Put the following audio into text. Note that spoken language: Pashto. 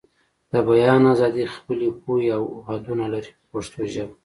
د بیان ازادي خپلې پولې او حدونه لري په پښتو ژبه.